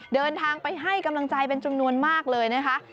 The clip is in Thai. เดินทางไปให้กำลังใจเป็นจำนวนมากเลยนะคะ